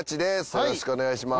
よろしくお願いします。